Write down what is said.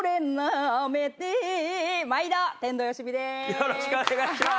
よろしくお願いします。